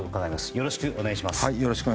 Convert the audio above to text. よろしくお願いします。